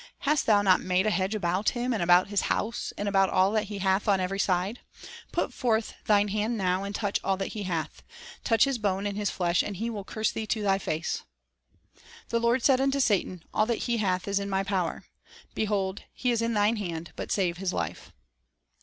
Hast Thou not made a hedge about him, and about his house, and about all that he hath on every side? ... Put forth Thine hand now, and touch all that he hath;" "touch his bone and his flesh, and he will curse Thee to Thy face." The Lord said unto Satan, "All that he hath is in thy power." "Behold, he is in thine hand; but save his life."